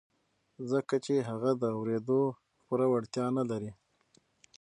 ځکه چې هغه د اورېدو پوره وړتيا نه لري.